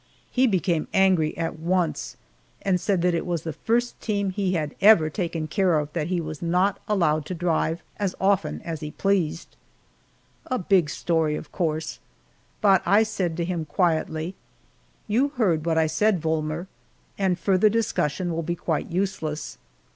He became angry at once, and said that it was the first team he had ever taken care of that he was not allowed to drive as often as he pleased. A big story, of course, but I said to him quietly, "You heard what I said, Volmer, and further discussion will be quite useless.